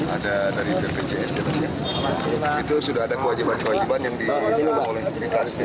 ada dari bpjs itu sudah ada kewajiban kewajiban yang diambil oleh pt spjs